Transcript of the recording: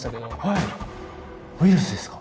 ウイルスですか？